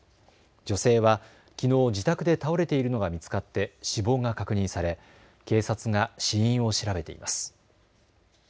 女性はきのう自宅で倒れているのが見つかって死亡が確認され警察が死因を調べています。